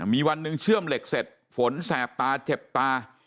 มีวันหนึ่งเชื่อมเหล็กเสร็จฝนแสบตาเจ็บตา